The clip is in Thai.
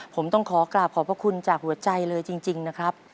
ผมต้องขอกราบขอบพระคุณจากหัวใจเลยจริงนะครับ